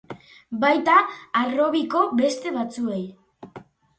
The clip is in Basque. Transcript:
Baita harrobiko beste batzuei ere.